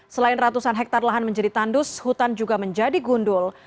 selain ratusan hektare lahan menjadi tandus hutan juga menjadi gundul